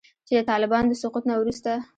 چې د طالبانو د سقوط نه وروسته